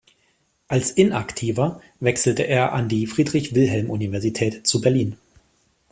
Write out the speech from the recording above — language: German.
Als Inaktiver wechselte er an die Friedrich-Wilhelm-Universität zu Berlin.